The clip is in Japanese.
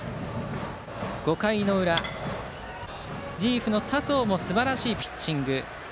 ５回裏、リリーフの佐宗もすばらしいピッチング。